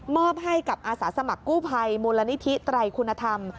อบให้กับอาสาสมัครกู้ภัยมูลนิธิไตรคุณธรรม